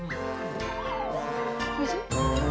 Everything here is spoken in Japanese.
おいしい？